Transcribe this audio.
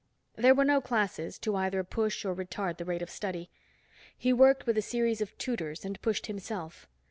There were no classes, to either push or retard the rate of study. He worked with a series of tutors, and pushed himself.